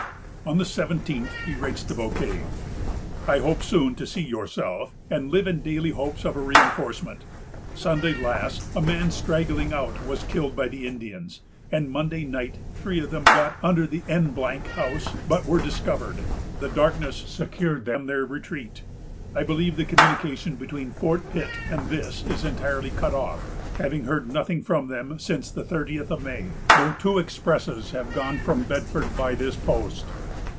On the seventeenth, he writes to Bouquet: "I hope soon to see yourself, and live in daily hopes of a reinforcement.... Sunday last, a man straggling out was killed by the Indians; and Monday night three of them got under the n———— house, but were discovered. The darkness secured them their retreat.... I believe the communication between Fort Pitt and this is entirely cut off, having heard nothing from them since the thirtieth of May, though two expresses have gone from Bedford by this post."